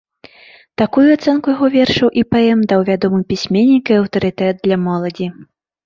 Такую ацэнку яго вершаў і паэм даў вядомы пісьменнік і аўтарытэт для моладзі.